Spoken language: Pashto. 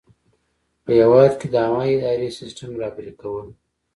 په هیواد کې د عامه اداري سیسټم رهبري کول.